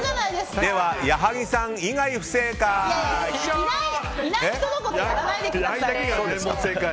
では矢作さん以外、不正解！